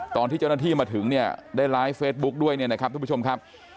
ตอนที่เจ้าหน้าที่มาถึงเนี่ยได้ไลฟ์เฟซบุ๊คด้วยเนี่ยนะครับทุกผู้ชมครับ